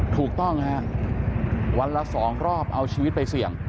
ถูกต้องฮะวันละ๒รอบเอาชีวิตไปเสี่ยง